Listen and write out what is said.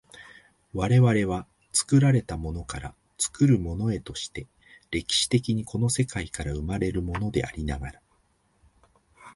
我々は作られたものから作るものへとして、歴史的にこの世界から生まれるものでありながら、